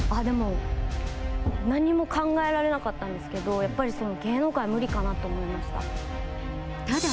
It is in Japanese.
でも、何も考えられなかったんですけど、やっぱり芸能界無理かなと思いました。